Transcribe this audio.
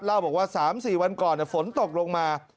เล่าบอกว่า๓๔วันก่อนฝนตกลงมา